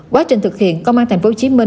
quá trình thực hiện công an tp hcm